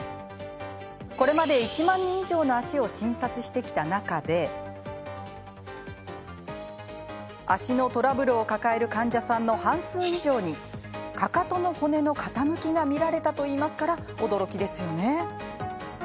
これまで、１万人以上の足を診察してきた中で足のトラブルを抱える患者さんの半数以上にかかとの骨の傾きが見られたといいますから驚きですよね。